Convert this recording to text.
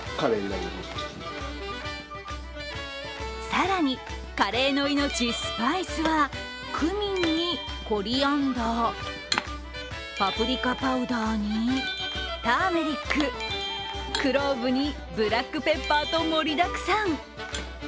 更に、カレーの命、スパイスはクミンに、コリアンダー、パプリカパウダーに、ターメリッククローブにブラックペッパーと盛りだくさん。